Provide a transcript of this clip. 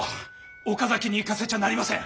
岡崎に行かせちゃなりません。